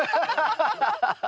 ハハハハッ！